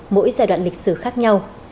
mỗi giai đoạn lịch sử khác nhau